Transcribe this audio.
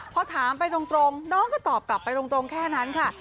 พอถามไปตรงน้องก็ตอบกลับไปตรงแค่นั้นค่ะ